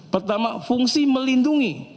pertama fungsi melindungi